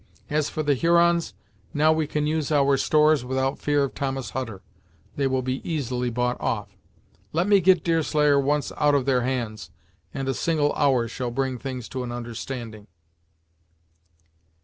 As for the Hurons, now we can use our stores without fear of Thomas Hutter, they will be easily bought off. Let me get Deerslayer once out of their hands, and a single hour shall bring things to an understanding."